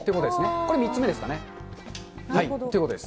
これ、３つ目ですかね。ということです。